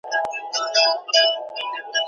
مشران په هره جرګه کي مهم بحثونه کوي.